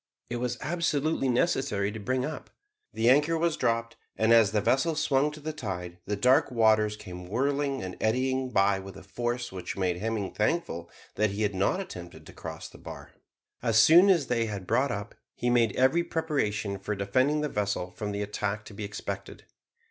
It was absolutely necessary to bring up. The anchor was dropped, and as the vessel swung to the tide the dark waters came whirling and eddying by with a force which made Hemming thankful that he had not attempted to cross the bar. As soon as he had brought up, he made every preparation for defending the vessel from the attack to be expected.